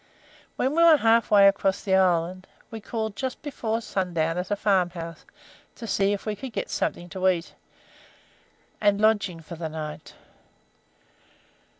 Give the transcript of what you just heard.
When we were half way across the island, we called just before sundown at a farmhouse to see if we could get something to eat, and lodging for the night.